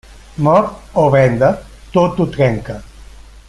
Mort o venda, tot ho trenca.